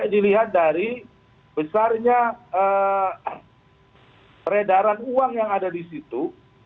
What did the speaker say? dilihat dari besarnya peredaran uang yang ada di situ